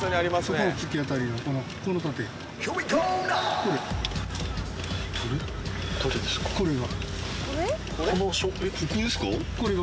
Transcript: これが。